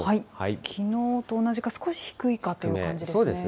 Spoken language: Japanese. きのうと同じか、少し低いかという感じですね。